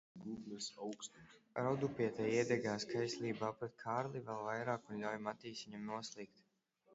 Raudupiete iedegas kaislībā pret Kārli vēl vairāk un ļauj Matīsiņam noslīkt.